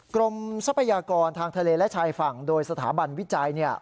ทรัพยากรทางทะเลและชายฝั่งโดยสถาบันวิจัย